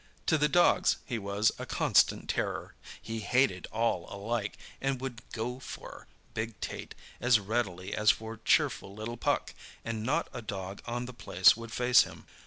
To the dogs he was a constant terror. He hated all alike, and would "go for" big Tait as readily as for cheerful little Puck, and not a dog on the place would face him.